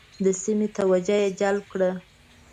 د سیمې توجه یې جلب کړه.